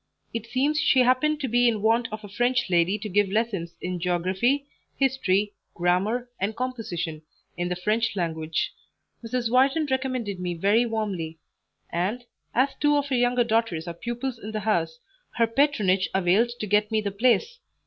It seems she happened to be in want of a French lady to give lessons in geography, history, grammar, and composition, in the French language. Mrs. Wharton recommended me very warmly; and, as two of her younger daughters are pupils in the house, her patronage availed to get me the place.